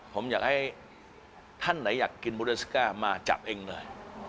ผมอยากให้ท่านไหนอยากกินบูเลสก้ามาจับเองเลย